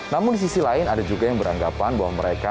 namun di sisi lain ada juga yang beranggapan bahwa mereka